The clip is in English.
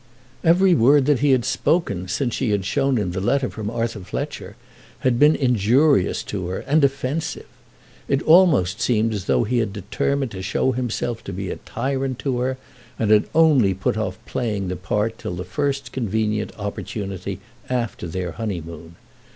Every word that he had spoken since she had shown him the letter from Arthur Fletcher had been injurious to her, and offensive. It almost seemed as though he had determined to show himself to be a tyrant to her, and had only put off playing the part till the first convenient opportunity after their honeymoon.